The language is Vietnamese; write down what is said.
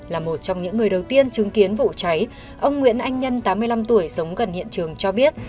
là một trong những người đầu tiên chứng kiến vụ cháy ông nguyễn anh nhân tám mươi năm tuổi sống gần hiện trường cho biết